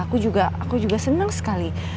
aku juga aku juga senang sekali